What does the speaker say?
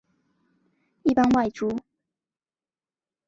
一般外族。